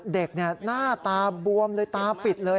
หน้าตาบวมเลยตาปิดเลย